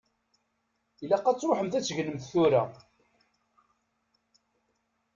Ilaq ad tṛuḥemt ad tegnemt tura.